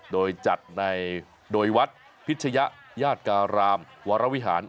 โดยจัดในโดยวัดพิชยญาติการามวรวิหาร